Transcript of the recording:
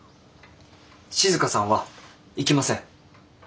静さんは行きません。